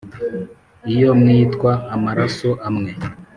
iyo mwitwa amaraso amwe ?